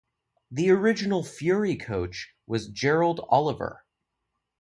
The original Fury coach was Gerald Oliver.